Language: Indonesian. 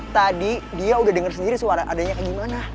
tadi dia udah dengar sendiri suara adanya kayak gimana